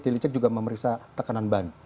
daily check juga memeriksa tekanan ban